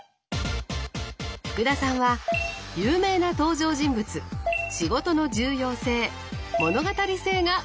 福田さんは「有名な登場人物」「仕事の重要性」「物語性」が高得点！